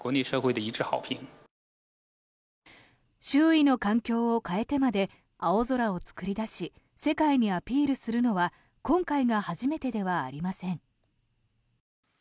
周囲の環境を変えてまで青空を作り出し世界にアピールするのは今回が初めてではありません。